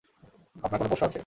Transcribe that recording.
আপনার কোনো পোষ্য আছে?